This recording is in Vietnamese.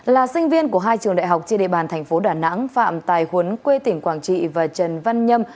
là sinh viên của hai trường đại học trên địa bàn thành phố đà nẵng phạm tài huấn quê tỉnh quảng trị và trần văn nhâm